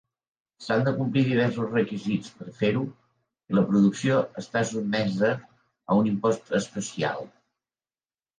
S'han de complir diversos requisits per fer-ho i la producció està sotmesa a un impost especial.